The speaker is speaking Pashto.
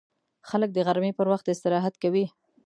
خلک د غرمې پر وخت استراحت کوي